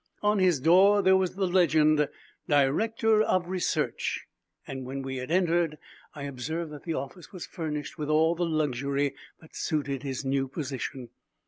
On his door there was the legend, "Director of Research," and, when we had entered, I observed that the office was furnished with all the luxury that suited his new position.